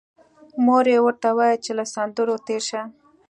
مور یې ورته ویل چې له سندرو تېر شه